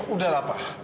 udah lah pak